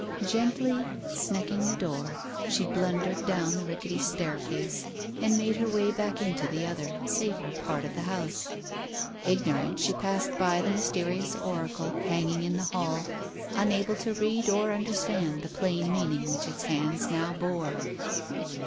Gently snecking the door, she blundered down the rickety staircase, and made her way back into the other, safer part of the house. Ignorant, she passed by the mysterious oracle hanging in the hall, unable to read or understand the plain meaning which its hands now bore.